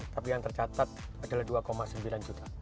tapi yang tercatat adalah dua sembilan juta